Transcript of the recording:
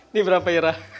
ini berapa irah